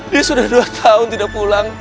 dia sudah dua tahun tidak pulang